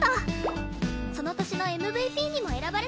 その年のＭＶＰにも選ばれたらしいです。